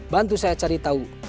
bantu saya cari tahu